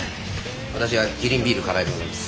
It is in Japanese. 私はキリンビール金井でございます。